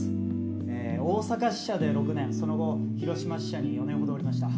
え大阪支社で６年その後広島支社に４年ほどおりました。